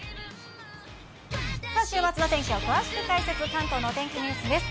さあ、週末の天気を詳しく解説、関東のお天気ニュースです。